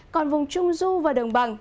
còn vùng trung du và đồng bằng